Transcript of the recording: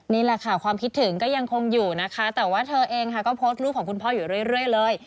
นี่แหละค่ะความคิดถึงก็ยังคงอยู่นะคะแต่ว่าเธอเองค่ะก็โพสต์รูปของคุณพ่ออยู่เรื่อยเลย